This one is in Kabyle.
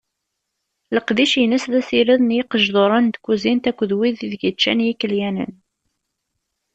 Leqdic-ines d asired n yiqejduren n tkuzint akked wid ideg ččan yikelyanen.